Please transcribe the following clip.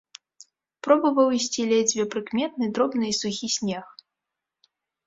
Пробаваў ісці ледзьве прыкметны, дробны і сухі снег.